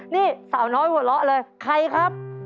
นี่สาวน้อยหัวเราะเลยใครครับ